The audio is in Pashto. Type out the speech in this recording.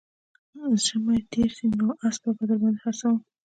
زمى تېر سي نو اسپه به در باندې خرڅوم